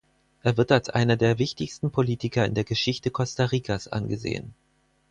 Er wird als einer der wichtigsten Politiker in der Geschichte Costa Ricas angesehen.